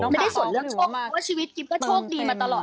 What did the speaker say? ไม่ได้ส่วนเรื่องโชคเพราะว่าชีวิตกิ๊บก็โชคดีมาตลอด